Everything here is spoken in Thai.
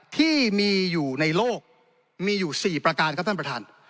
ที่มีอยู่ในโลกมีอยู่๔ประการครับท่านประธาน